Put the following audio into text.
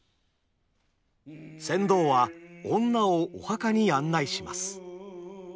船頭は女をお墓に案内します。